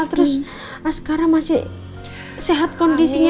terus sekarang masih sehat kondisinya